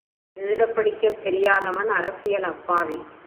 எழுதப் படிக்கத் தெரியாதவன், அரசியல் அப்பாவி.